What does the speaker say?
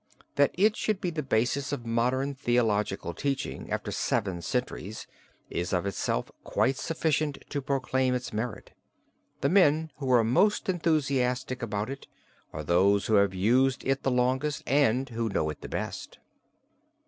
That it should be the basis of modern theological teaching after seven centuries is of itself quite sufficient to proclaim its merit. The men who are most enthusiastic about it are those who have used it the longest and who know it the best.